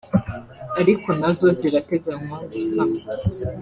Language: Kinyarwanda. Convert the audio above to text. ariko nazo zirateganywa gusanwa